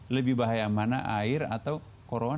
lebih bahaya mana air atau corona